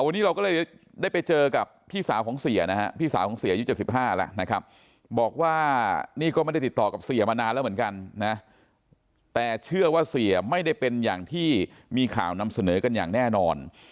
วันนี้เราก็เลยได้ไปเจอกับพี่สาวของเสียนะฮะพี่สาวของเสียอายุ๗๕แล้วนะครับบอกว่านี่ก็ไม่ได้ติดต่อกับเสียมานานแล้วเหมือนกันนะแต่เชื่อว่าเสียไม่ได้เป็นอย่างที่มีข่าวนำเสนอกันอย่างแน่นอน